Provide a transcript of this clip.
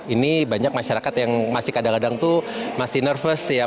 ini banyak masyarakat yang masih kadang kadang tuh masih nervous ya